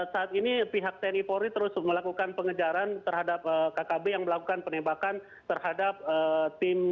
saat ini pihak tni polri terus melakukan pengejaran terhadap kkb yang melakukan penembakan terhadap tim